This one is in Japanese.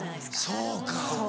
そうか。